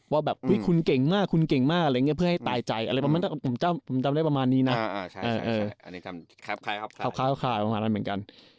ว่าแบบคุณเก่งมากเพื่อให้ตายใจแต่ประมาณนี้นั้นเลยคือค้ายประมาณนั้นเหมือนกัน